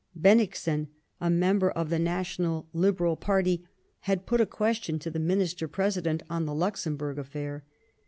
Bennigsen, a member of the National Liberal III Bismarck party, had put a question to the Minister President on the Luxemburg affair.